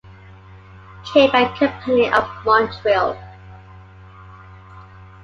Cape and Company of Montreal.